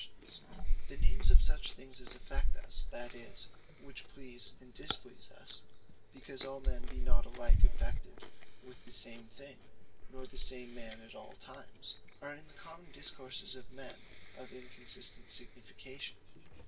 Inconstant Names The names of such things as affect us, that is, which please, and displease us, because all men be not alike affected with the same thing, nor the same man at all times, are in the common discourses of men, of Inconstant signification.